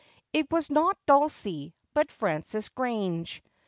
It was not Dulcie, but Frances Grange.